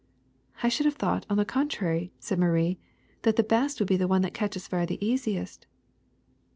'' ^^I should have thought, on the contrary,*' said Marie, *'that the best would be the one that catches fire the easiest."